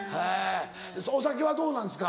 お酒はどうなんですか？